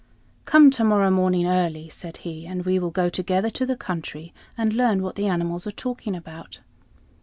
"Come to morrow morning early," said he, "and we will go together to the country and learn what the animals are talking about."